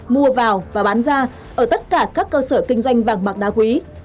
mua vào và bán ra ở tất cả các cơ sở kinh doanh vàng bạc đá quý